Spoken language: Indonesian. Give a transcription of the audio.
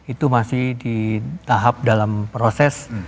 itu masih di tahap dalam proses